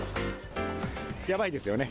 やばいですよね。